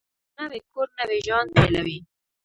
نوی کور نوی ژوند پېلوي